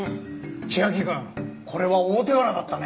千秋君これは大手柄だったね！